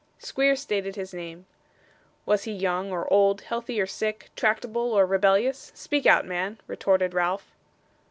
Squeers stated his name. 'Was he young or old, healthy or sickly, tractable or rebellious? Speak out, man,' retorted Ralph.